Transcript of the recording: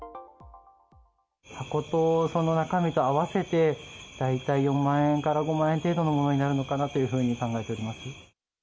箱とその中身と合わせて大体４万円から５万円程度のものになるのかなというふうに考えております。